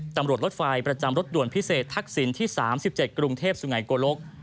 รถไฟประจำรถด่วนพิเศษทักษิณที่๓๗กรุงเทพสุไงโกลก